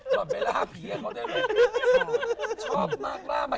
ก็เบล่าห้าผีกับเขาด้วยเลย